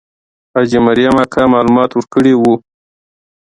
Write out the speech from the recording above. حاجي مریم اکا معلومات ورکړي وو.